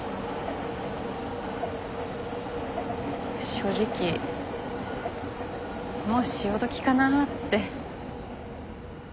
正直もう潮時かなって。